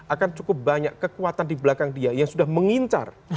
akan cukup banyak kekuatan di belakang dia yang sudah mengincar